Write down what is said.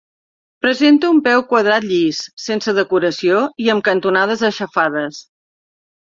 Presenta un peu quadrat llis, sense decoració i amb les cantonades aixafades.